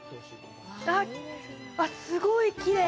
わあ、すごいきれい。